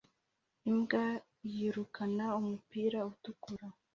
imbwa yirukana umupira utukura